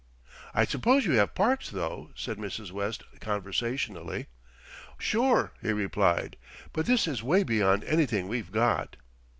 "I suppose you have parks, though," said Mrs. West conversationally. "Sure," he replied; "but this is way beyond anything we've got."